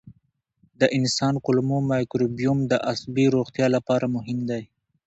د انسان کولمو مایکروبیوم د عصبي روغتیا لپاره مهم دی.